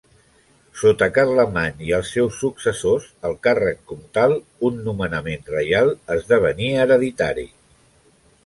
Sota Carlemany i els seus successors el càrrec comtal, un nomenament reial, esdevenia hereditari.